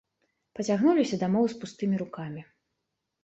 Пацягнуліся дамоў з пустымі рукамі.